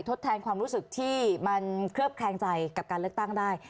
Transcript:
ทดแทนความรู้สึกที่มันเคลือบแคลงใจกับการเลือกตั้งได้